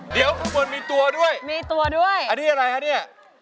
เดี๋ยวข้างบนมีตัวด้วยอันนี้อะไรคะนี่มีตัวด้วย